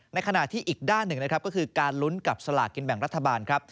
ในขณะที่อีกด้านหนึ่งก็คือการลุ้นกับสลากกินแบ่งรัฐบาล